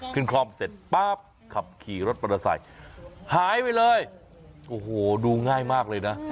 ขึ้นคลอมเสร็จป๊าบขับขี่รถปาราไซค์หายไปเลยโอ้โหดูง่ายมากเลยนะ